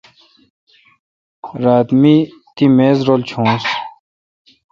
راتہ می تی میز رل چونس۔